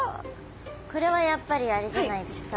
これはやっぱりあれじゃないですか？